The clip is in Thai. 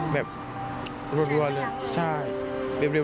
แบบรัวเลยใช่